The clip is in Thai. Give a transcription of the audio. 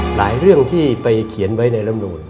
หลายเรื่องที่ไปเขียนไว้ในลำนูน